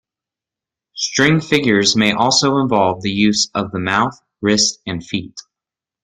String figures may also involve the use of the mouth, wrist, and feet.